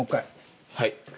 はい。